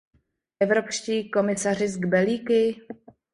Evropští komisaři s kbelíky?